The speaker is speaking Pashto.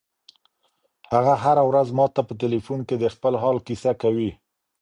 هغه هره ورځ ماته په ټیلیفون کې د خپل حال کیسه کوي.